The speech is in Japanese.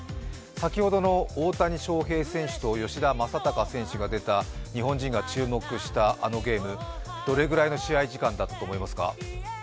先ほどの大谷翔平選手と吉田正尚選手が出た日本人が注目したあのゲーム、どれくらいの試合時間だったと思いますか？